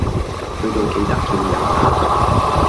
去到記得叫人呀